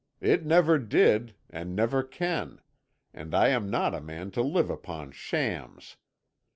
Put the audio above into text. It never did, and never can, and I am not a man to live upon shams.